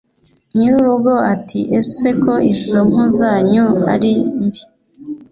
nyir'urugo ati 'ese ko ezo mpu zanyu ari mbi